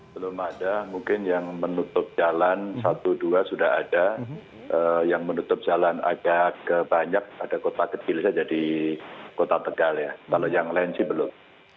belum ada mungkin yang menutup jalan satu dua sudah ada yang menutup jalan agak banyak ada kota kecil saja di kota tegal ya kalau yang lain sih belum